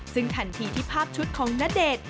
ซึ่งทันทีที่ภาพชุดของณเดชน์